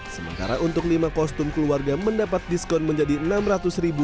sementara untuk lima kostum keluarga mendapat diskon menjadi rp enam ratus